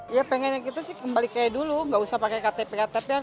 ya pengennya kita sih kembali kayak dulu nggak usah pakai ktp ktp kan